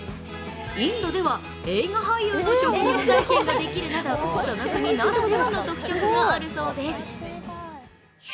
インドでは映画俳優の職業体験ができるなどその国ならではの特色があるそうです。